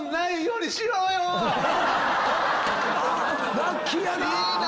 ラッキーやなぁ！